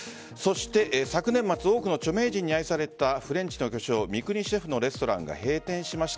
昨年末、多くの著名人に愛されたフレンチの巨匠三國シェフのレストランが閉店しました。